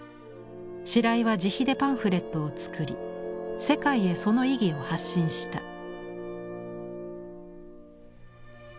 白井は自費でパンフレットを作り世界へその意義を発信した。